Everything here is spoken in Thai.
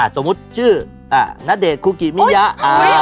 สมมุติชื่อนาเดตครูกี้มิทยา